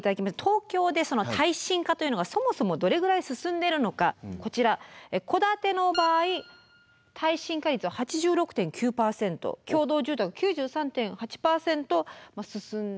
東京でその耐震化というのがそもそもどれぐらい進んでいるのかこちら戸建ての場合耐震化率は８６．９％共同住宅９３．８％進んでいるということなんです。